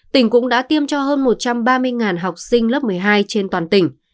tỉnh cũng đã tiêm cho hơn một trăm ba mươi học sinh lớp một mươi hai trên toàn tỉnh